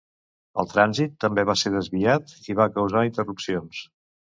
El trànsit també va ser desviat i va causar interrupcions.